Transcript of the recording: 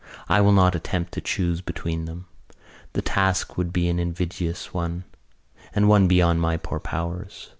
I will not attempt to choose between them. The task would be an invidious one and one beyond my poor powers.